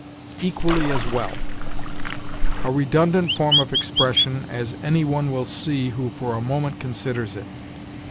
EQUALLY AS WELL. A redundant form of expression, as any one will see who for a moment considers it.